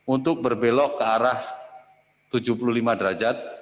untuk berbelok ke arah tujuh puluh lima derajat